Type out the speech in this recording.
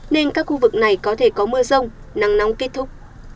nên các khu vực này có thể có mưa rông nắng nóng kết thúc